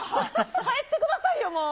帰ってくださいよ、もう。